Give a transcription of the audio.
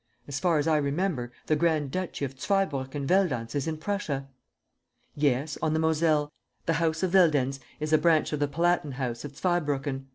... As far as I remember, the Grand duchy of Zweibrucken Veldenz is in Prussia?" "Yes, on the Moselle. The house of Veldenz is a branch of the Palatine house of Zweibrucken.